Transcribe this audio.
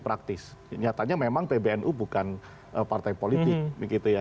pernah diperhatikan praktis nyatanya memang pbnu bukan partai politik